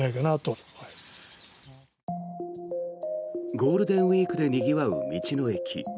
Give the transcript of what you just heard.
ゴールデンウィークでにぎわう道の駅。